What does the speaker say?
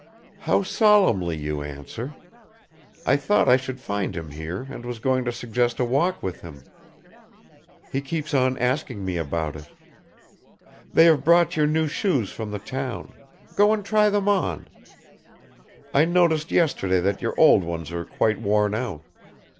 "How solemnly you answer. I thought I should find him here and was going to suggest a walk with him. He keeps on asking me about it. They have brought your new shoes from the town; go and try them on; I noticed yesterday that your old ones are quite worn out.